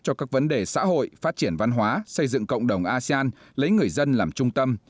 cho các vấn đề xã hội phát triển văn hóa xây dựng cộng đồng asean lấy người dân làm trung tâm